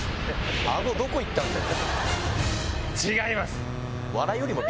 アゴどこいったんだよ？